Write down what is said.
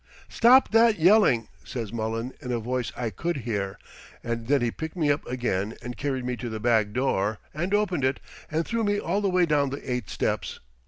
"'Stop that yelling!' says Mullen, in a voice I could hear, and then he picked me up again and carried me to the back door, and opened it and threw me all the way down the eight steps.